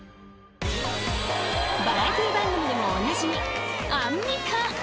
［バラエティー番組でもおなじみ］